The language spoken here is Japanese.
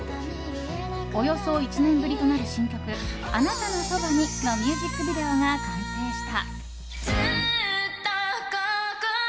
およそ１年ぶりとなる新曲「貴方の側に。」のミュージックビデオが完成した。